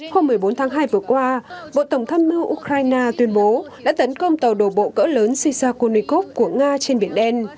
hôm một mươi bốn tháng hai vừa qua bộ tổng tham mưu ukraine tuyên bố đã tấn công tàu đồ bộ cỡ lớn sisakunikov của nga trên biển đen